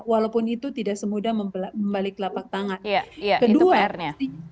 walaupun itu tidak semudah membalik lapak tangan kedua